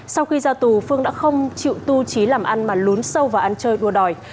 sau khi ra tù phương đã không chịu tu trí làm ăn mà lún sâu vào ăn chơi đua đòi